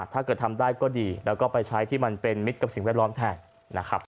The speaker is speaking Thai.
ถ้าเกิดทำได้ก็ดีแล้วก็ไปใช้ที่มันเป็นมิตรกับสิ่งแวดล้อมแทนนะครับ